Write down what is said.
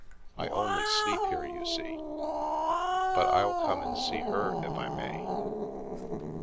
" I only sleep here, you see. But I'll come and see her, if I may."